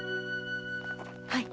はい。